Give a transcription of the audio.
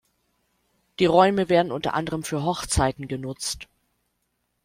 Die Räume werden unter anderem für Hochzeiten genutzt.